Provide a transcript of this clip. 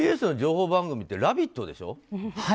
ＴＢＳの情報番組って「ラヴィット！」でしょ？